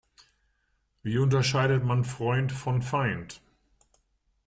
Wie unterscheidet man Freund von Feind?